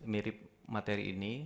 mirip materi ini